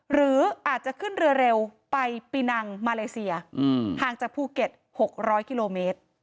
หรืออาจจะขึ้นเรือเร็วไปปีนังมาเลเซียห่างจากภูเก็ต๖๐๐กิโลเมตร